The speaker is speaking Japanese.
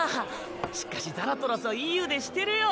しっかしザラトラスはいい腕してるよ。